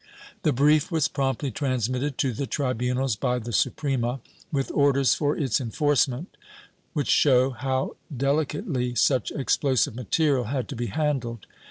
^ The brief was promptly transmitted to the tribunals by the Suprema, with orders for its enforcement which show how deli cately such explosive material had to be handled.